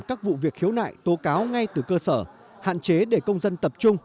các vụ việc khiếu nại tố cáo ngay từ cơ sở hạn chế để công dân tập trung